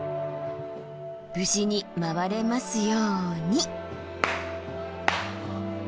無事に回れますように。